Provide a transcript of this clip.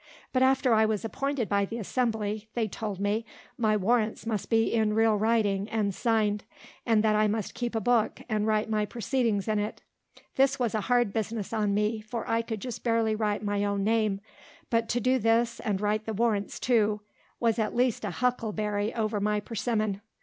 But after I was appointed by the assembly, they told me, my warrants must be in real writing, and signed; and that I must keep a book, and write my proceedings in it. This was a hard business on me, for I could just barely write my own name; but to do this, and write the warrants too, was at least a huckleberry over my persimmon.